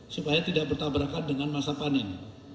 supaya tidak bertabrakan dengan masa panen